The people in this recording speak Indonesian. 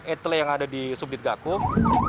etel yang ada di subdit gakuh